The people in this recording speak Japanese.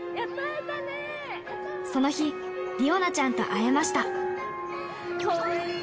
その日、理央奈ちゃんと会えました。